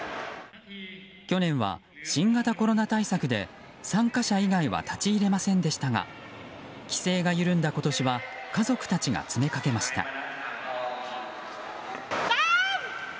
去年は新型コロナ対策で参加者以外は立ち入れませんでしたが規制が緩んだ今年は家族たちが詰めかけました。